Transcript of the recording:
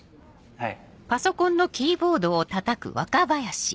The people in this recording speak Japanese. はい。